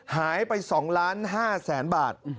หายไป๒๕ล้านบาท